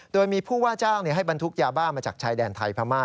โดยมีผู้ว่าจ้างให้บรรทุกยาบ้ามาจากชายแดนไทยพม่า